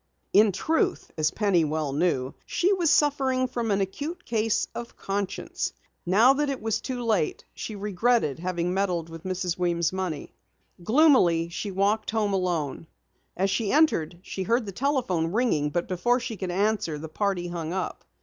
In truth, as Penny well knew, she was suffering from an acute case of "conscience." Now that it was too late, she regretted having meddled with Mrs. Weems' money. Gloomily she walked home alone. As she entered, she heard the telephone ringing, but before she could answer, the party hung up.